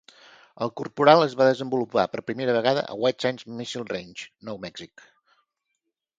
El Corporal es va desenvolupar per primera vegada a White Sands Missile Range, Nou Mèxic.